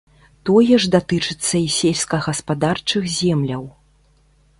Тое ж датычыцца і сельскагаспадарчых земляў.